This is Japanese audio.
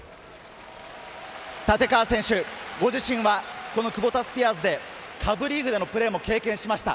立川選手、ご自身はこのクボタスピアーズで下部リーグでのプレーも経験しました。